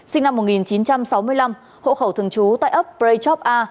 sinh năm một nghìn chín trăm sáu mươi năm hộ khẩu thường trú tại ấp prey chop a